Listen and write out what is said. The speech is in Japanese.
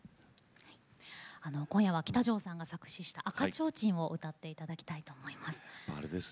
今夜は喜多條さんが作詞した「赤ちょうちん」を歌っていただきたいと思います。